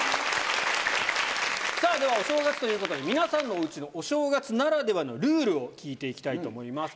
ではお正月ということで皆さんのお家のお正月ならではのルールを聞いて行きたいと思います。